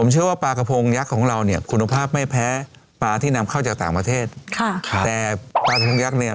จากต่างประเทศค่ะแต่ตามคุณพุทธยักษ์เนี้ย